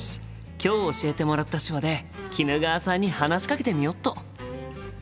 今日教えてもらった手話で衣川さんに話しかけてみよっと！